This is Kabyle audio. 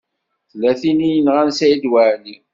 Tella tin i yenɣan Saɛid Waɛli.